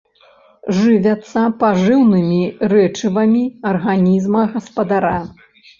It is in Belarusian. Жывяцца пажыўнымі рэчывамі арганізма гаспадара.